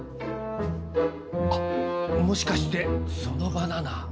あっもしかしてそのバナナ。